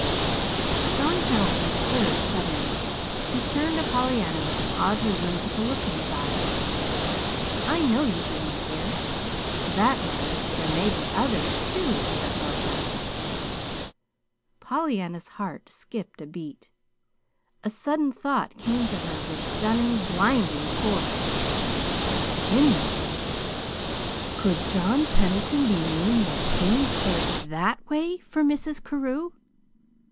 John Pendleton stirred suddenly. He turned to Pollyanna with an oddly whimsical look in his eyes. "I know you do, my dear. For that matter, there may be others, too that love her." Pollyanna's heart skipped a beat. A sudden thought came to her with stunning, blinding force. JIMMY! Could John Pendleton be meaning that Jimmy cared THAT WAY for Mrs. Carew?